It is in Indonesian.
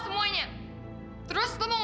denger ya mulai sekarang